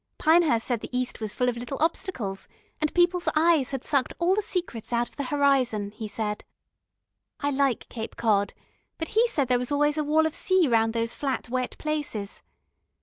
Pinehurst said the East was full of little obstacles, and people's eyes had sucked all the secrets out of the horizon, he said. I like Cape Cod, but he said there was always a wall of sea round those flat wet places.